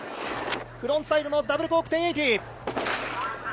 フロントサイドのダブルコーク１０８０。